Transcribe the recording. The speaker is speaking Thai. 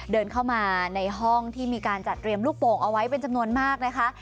เดินเข้ามาในห้องที่มีการจัดเตรียมลูกโป่งเอาไว้เป็นจำนวนมากนะคะ